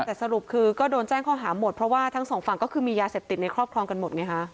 แต่สรุปคือก็โดนแจ้งข้อหาหมดเพราะว่าทั้งสองฝั่งก็คือมียาเสพติดในครอบครองกันหมดไงฮะ